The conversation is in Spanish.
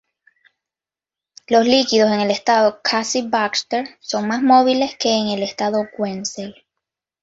Los líquidos en el estado Cassie-Baxter son más móviles que en el estado Wenzel.